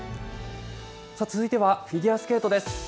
続いてはフィギュアスケートです。